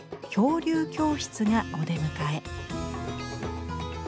「漂流教室」がお出迎え。